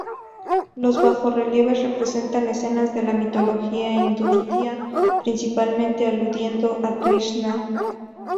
Los bajorrelieves representan escenas de la Mitología hinduista principalmente aludiendo a Krishna.